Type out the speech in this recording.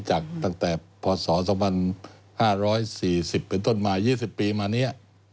ตั้งแต่พศ๒๕๔๐เป็นต้นมา๒๐ปีมาเนี่ย